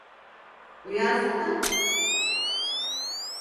Uyansana!